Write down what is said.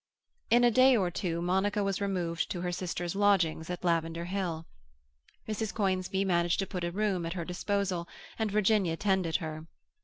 In a day or two Monica was removed to her sister's lodgings at Lavender Hill. Mrs. Conisbee managed to put a room at her disposal, and Virginia tended her.